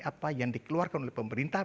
apa yang dikeluarkan oleh pemerintah